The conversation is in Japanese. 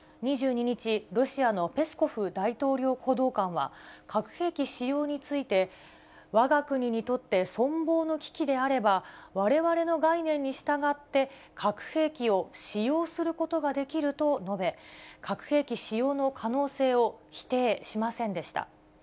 ２２日、ロシアのペスコフ大統領報道官は、核兵器使用について、わが国にとって存亡の危機であれば、われわれの概念に従って、核兵器を使用することができると述べ、核兵器使用の可能性を否定しませんでした。